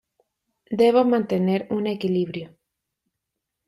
Debo mantener un equilibrio.